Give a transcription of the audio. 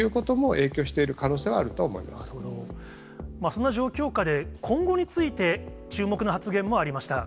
その状況下で、今後について、注目の発言もありました。